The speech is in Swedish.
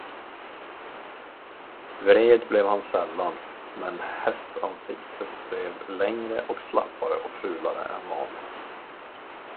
Vred blev han sällan, men hästansiktet blev längre och slappare och fulare än vanligt.